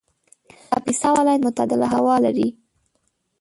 کاپیسا ولایت معتدله هوا لري